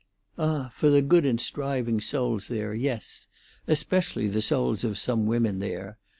"Ah! for the good and striving souls there, yes; especially the souls of some women there.